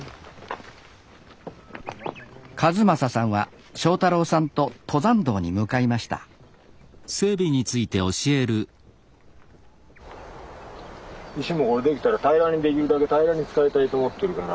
一正さんは正太郎さんと登山道に向かいました石もこれできたら平らにできるだけ平らに使いたいと思ってるから。